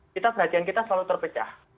kita bagian kita selalu terpecah